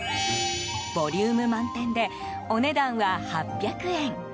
ボリューム満点でお値段は８００円。